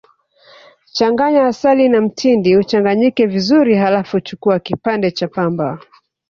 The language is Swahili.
Changanya asali na mtindi uchanganyike vizuri Halafu chukua kipande cha pamba